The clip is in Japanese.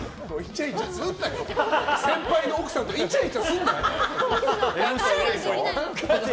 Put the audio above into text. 先輩の奥さんとイチャイチャするな。